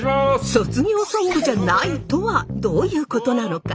卒業ソングじゃないとはどういうことなのか？